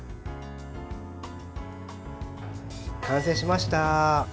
完成しました。